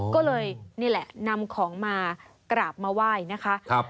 ก็เลยนี่แหละนำของมากราบมาไหว้นะคะ